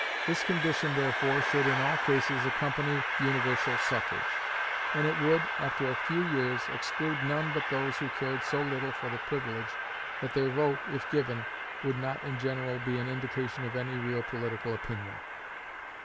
This condition, therefore, should in all cases accompany universal suffrage; and it would, after a few years, exclude none but those who cared so little for the privilege, that their vote, if given, would not in general be an indication of any real political opinion.